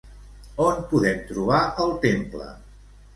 On podem trobar el temple?